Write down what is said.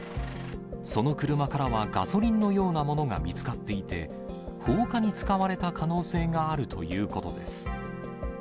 その車からはガソリンのようなものが見つかっていて、放火に使われた可能性があるということです。